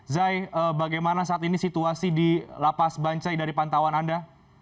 zai bagaimana saat ini situasi di lapas bancai dari pantauan anda